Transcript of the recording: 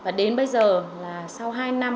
và đến bây giờ là sau hai năm